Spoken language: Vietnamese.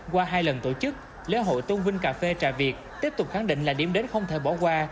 qua hai lần tổ chức lễ hội tôn vinh cà phê trà việt tiếp tục khẳng định là điểm đến không thể bỏ qua